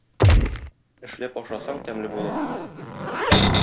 Эшләп ашасаң тәмле булыр.